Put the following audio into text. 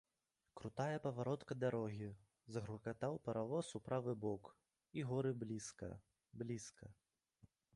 Крутая паваротка дарогі, загрукатаў паравоз у правы бок — і горы блізка, блізка…